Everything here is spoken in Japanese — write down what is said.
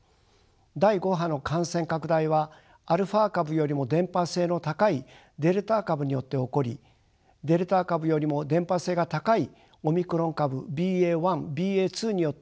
第５波の感染拡大はアルファ株よりも伝播性の高いデルタ株によって起こりデルタ株よりも伝播性が高いオミクロン株ＢＡ．１ＢＡ．２によって第６波が。